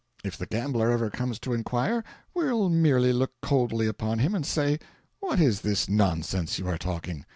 If the gambler ever comes to inquire, we'll merely look coldly upon him and say: 'What is this nonsense you are talking?